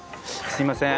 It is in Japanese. すいません。